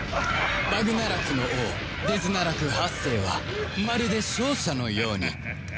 バグナラクの王デズナラク８世はまるで勝者のように高らかに笑う。